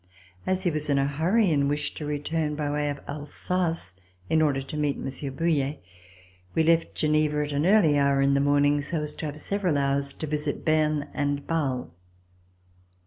As he was in a hurry and wished to return by way of Alsace, in order to meet Monsieur Bouille, we left Geneva at an early hour in the morning so as to have several hours to visit Berne and Bale.